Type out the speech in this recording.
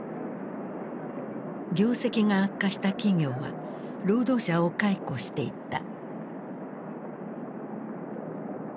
業績が悪化した企業は労働者を解雇していった。